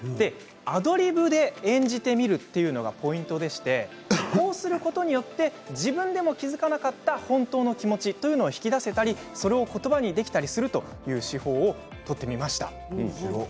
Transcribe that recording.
アドリブで演じてみるというのがポイントでしてこうすることによって自分でも気付かなかった本当の気持ちというのを引き出せたりそれをことばにできたりするという手法を取ってみました。